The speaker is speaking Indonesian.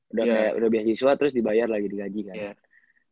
udah beasiswa terus dibayar lagi di gaji kan